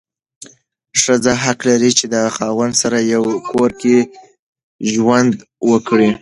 ښځه حق لري چې د خاوند سره یو کور کې ژوند وکړي.